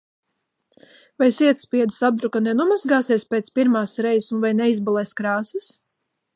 Vai sietspiedes apdruka nenomazgāsies pēc pirmās reizes un vai neizbalēs krāsas?